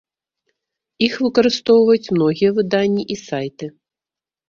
Іх выкарыстоўваюць многія выданні і сайты.